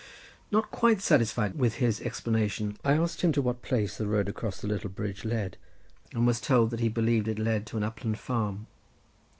Not quite satisfied with his explanation, I asked him to what place the road across the little bridge led, and was told that he believed it led to an upland farm.